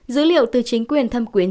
dữ liệu từ chính quyền thâm quyến